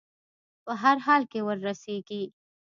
په هر حال کې وررسېږي.